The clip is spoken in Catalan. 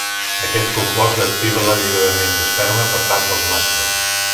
Aquest compost activa l'alliberament d'esperma per part dels mascles.